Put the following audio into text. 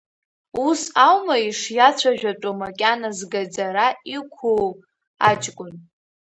Ус аума ишиацәажәатәу макьана згаӡара иқуу аҷкун.